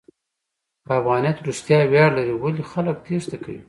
که افغانیت رښتیا ویاړ لري، ولې خلک تېښته کوي؟